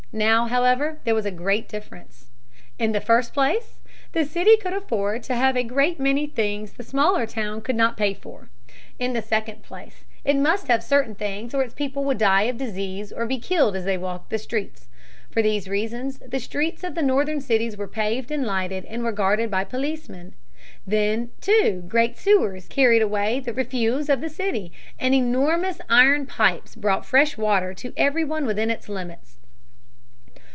Now, however, there was a great difference. In the first place the city could afford to have a great many things the smaller town could not pay for. In the second place it must have certain things or its people would die of disease or be killed as they walked the streets. For these reasons the streets of the Northern cities were paved and lighted and were guarded by policemen. Then, too, great sewers carried away the refuse of the city, and enormous iron pipes brought fresh water to every one within its limits.